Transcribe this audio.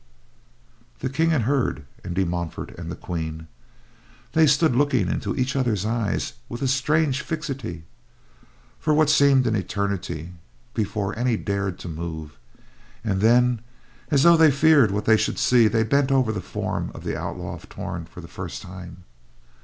The King had heard, and De Montfort and the Queen. They stood looking into each other's eyes with a strange fixity, for what seemed an eternity, before any dared to move; and then, as though they feared what they should see, they bent over the form of the Outlaw of Torn for the first time.